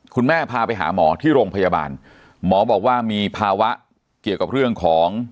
พาไปหาหมอที่โรงพยาบาลหมอบอกว่ามีภาวะเกี่ยวกับเรื่องของ